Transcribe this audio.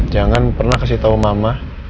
jangan pernah kasih tahu mama